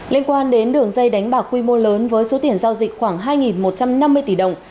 liên quan đến đường dây đánh bạc quy mô lớn với số tiền giao dịch khoảng hai một trăm năm mươi tỷ đồng